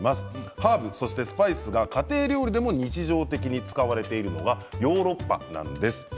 ハーブとスパイスが家庭料理でも日常的に使われているのがヨーロッパです。